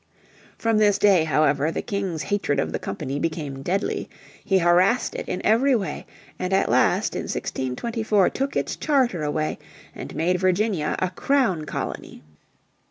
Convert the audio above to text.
From this day, however, the King's hatred of the company became deadly. He harassed it in every way and at last in 1624 took its charter away, and made Virginia a Crown Colony.